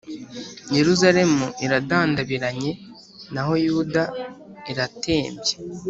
Yeruzalemu iradandabiranye, naho Yuda iratembye.